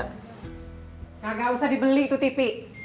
nggak usah dibeli itu tv